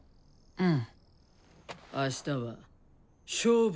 うん！